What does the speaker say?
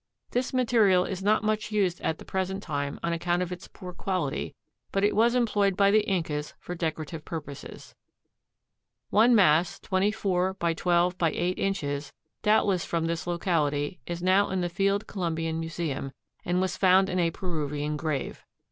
This material is not much used at the present time on account of its poor quality but it was employed by the Incas for decorative purposes. One mass 24×12×8 in., doubtless from this locality is now in the Field Columbian Museum, and was found in a Peruvian grave.